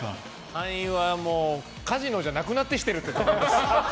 敗因はカジノじゃなくなってきてるってこと。